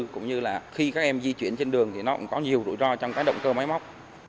cũng như là khi các em di chuyển trên đường thì nó cũng có nhiều rủi ro trong cái động cơ máy móc